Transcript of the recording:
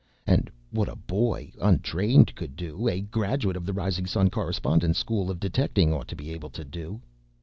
And what a boy, untrained, could do, a graduate of the Rising Sun Correspondence School of Detecting ought to be able to do!